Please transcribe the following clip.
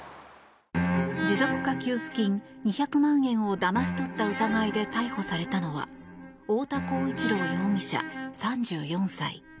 持続化給付金２００万円をだまし取った疑いで逮捕されたのは太田浩一朗容疑者、３４歳。